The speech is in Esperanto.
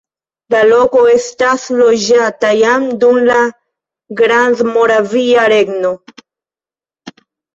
La loko estis loĝata jam dum la Grandmoravia Regno.